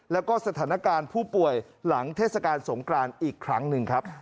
แล้วก็สถานการณ์ผู้ป่วยหลังเทศกาลสงกรานอีกครั้งหนึ่งครับ